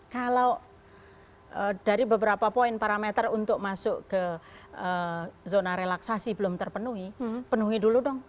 kalau dari beberapa poin parameter untuk masuk ke zona relaksasi belum terpenuhi penuhi dulu dong